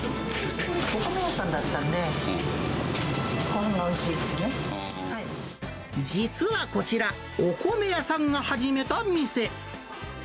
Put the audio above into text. お米屋さんだったんで、実はこちら、お米屋さんが始めた店。